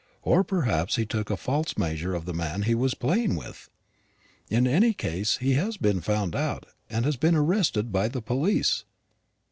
Or perhaps he took a false measure of the man he was playing with. In any case, he has been found out, and has been arrested by the police."